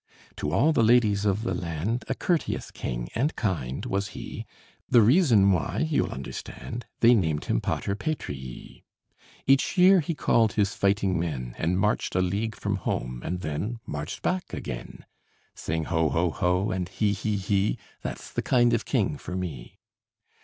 To all the ladies of the land A courteous king, and kind, was he The reason why, you'll understand, They named him Pater Patriae. Each year he called his fighting men, And marched a league from home, and then Marched back again. Sing ho, ho, ho! and he, he, he! That's the kind of king for me.